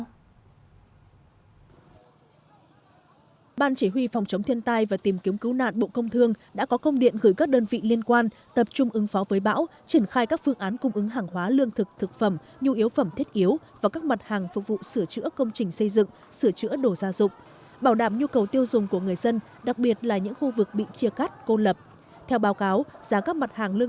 trước ảnh hưởng nghiêm trọng của bộ công thương đã triển khai các phương án đảm bảo cung ứng hàng hóa lương thực thực phẩm nhu yếu phẩm thiết yếu tới người dân nhất là những khu vực ảnh hưởng nặng do mưa bão